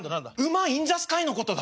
馬インザスカイのことだ。